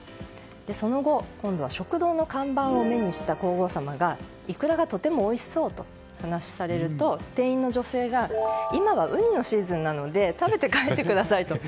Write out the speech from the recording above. その後、今度は食堂の看板を目にした皇后さまがイクラがとてもおいしそうとお話しされると店員の女性が今はウニのシーズンなので食べて帰ってくださいと。